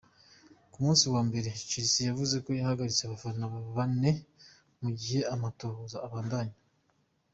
Ku munsi wa mbere, Chelsea yavuze ko bahagaritse abafana bane, mu gihe amatohoza abandanya.